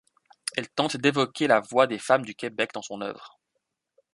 Elle tente d'évoquer la voix des femmes du Québec dans son œuvre.